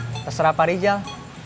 terserah pak rijal